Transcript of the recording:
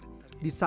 kars di indonesia